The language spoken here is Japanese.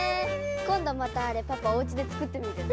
こんどまたあれパパおうちでつくってみるね。